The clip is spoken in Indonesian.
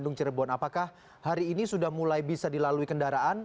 dan apakah hari ini sudah mulai bisa dilalui kendaraan